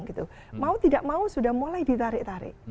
pemilu pemilu yang tidak mau sudah mulai ditarik tarik